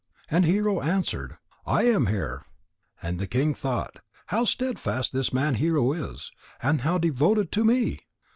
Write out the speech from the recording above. And Hero answered: "I am here." And the king thought: "How steadfast this man Hero is, and how devoted to me!